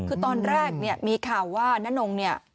คือตอนแรกเนี่ยมีข่าวว่าน้านงเนี่ย